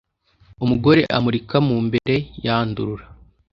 umugore umurika mu mbere yandurura